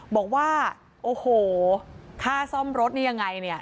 บอกว่าโอ้โหค่าซ่อมรถนี่ยังไงเนี่ย